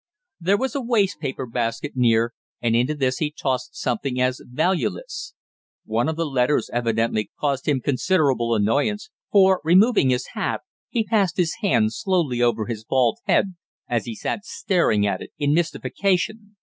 There was a waste paper basket near, and into this he tossed something as valueless. One of the letters evidently caused him considerable annoyance, for, removing his hat, he passed his hand slowly over his bald head as he sat staring at it in mystification.